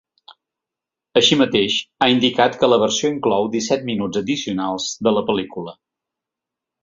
Així mateix, ha indicat que la versió inclou disset minuts addicionals de la pel·lícula.